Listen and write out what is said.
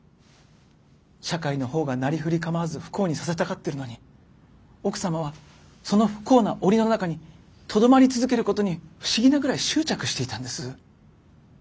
社会の方がなりふり構わず不幸にさせたがってるのに奥様はその不幸な檻の中にとどまり続けることに不思議なぐらい執着していたんです。